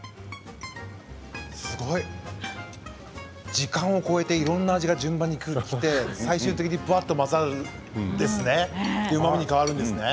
すごい！時間を超えて、いろんな味が順番にきて最終的にふわっと混ざるんですね。